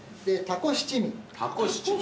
たこ七味。